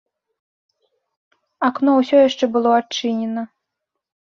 Акно ўсё яшчэ было адчынена.